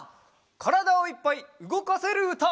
からだをいっぱいうごかせるうた！